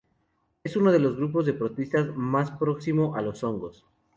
Es uno de los grupos de protistas más próximo a los hongos.